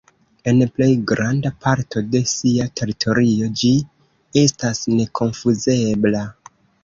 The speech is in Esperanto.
En plej granda parto de sia teritorio ĝi estas nekonfuzebla.